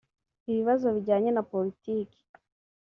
ibibazo bijyanye na politiki